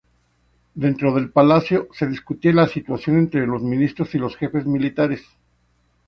Dentro del palacio, se discutía la situación entre los ministros y los jefes militares.